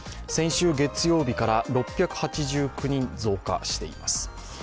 先週月曜日から６８９人増加しています。